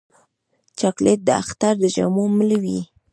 چاکلېټ د اختر د جامو مل وي.